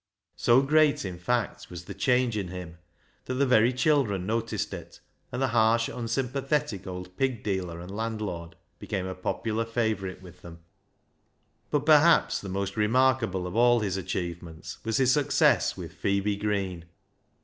So great, in fact, was the change in him that the very children noticed it, and the harsh, unsym pathetic old pig dealer and landlord became a popular favourite with them. 26 402 BECKSIDE LIGHTS But perhaps the most remarkable of all his achievements was his success with Phebe Green.